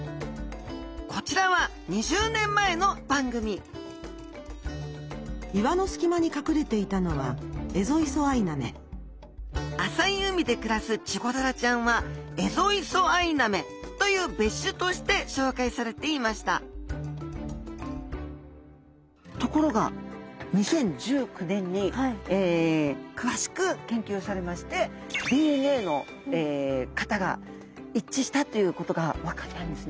こちらは２０年前の番組岩の隙間に隠れていたのは浅い海で暮らすチゴダラちゃんはエゾイソアイナメという別種として紹介されていましたところが２０１９年に詳しく研究されましてＤＮＡの型が一致したということが分かったんですね。